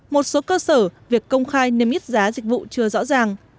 một số cơ sở việc công khai nêm ít giá dịch vụ chưa rõ ràng